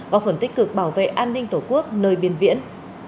góp phần tích cực bảo vệ an ninh tổ quốc nơi biên viễn